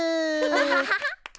ハハハハ。